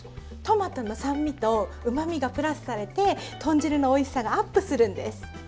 トマトの酸味とうまみがプラスされて豚汁のおいしさがアップするんです。